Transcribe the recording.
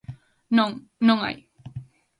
Non, non hai.